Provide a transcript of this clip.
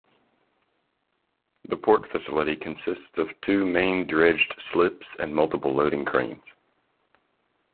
The port facility consists of two main dredged slips and multiple loading cranes.